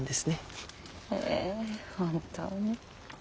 えぇ本当に。